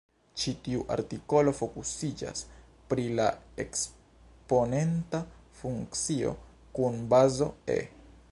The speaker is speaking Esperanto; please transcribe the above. Ĉi tiu artikolo fokusiĝas pri la eksponenta funkcio kun bazo "e".